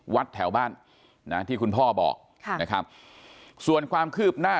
วัดแถวบ้านนะที่คุณพ่อบอกค่ะนะครับส่วนความคืบหน้า